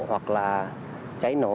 hoặc là cháy nổ